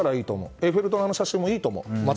エッフェル塔の写真もいいと思う。